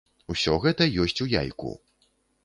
Усё гэта ёсць у яйку.